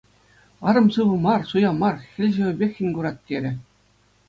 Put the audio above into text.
Арӑм сыв мар, суя мар, хӗл-ҫӑвӗпех хӗн курать, терӗ.